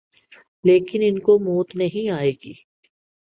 لیکن ان کوموت نہیں آئے گی